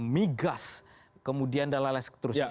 migas kemudian dalalai seterusnya